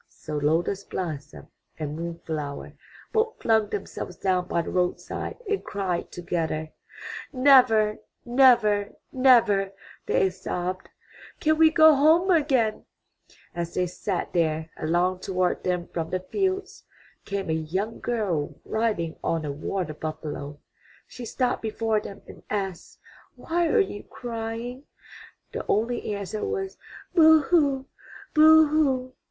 So Lotus blossom and Moon flower both flung themselves down by the roadside and cried together. ''Never, never, never,'' they sobbed, ''can we go home again/' As they sat there, along toward them from the fields came a young girl riding on a water buffalo. She stopped before them and asked, "Why are you crying?" The only answer was, "Boo hoo! Boo hoo!